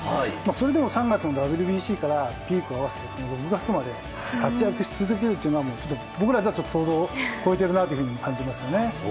それでも３月のＷＢＣからピークを伸ばして６月まで活躍し続けるというのは僕らの想像を超えているなと感じますね。